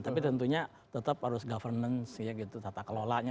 tapi tentunya tetap harus governance ya gitu tata kelolanya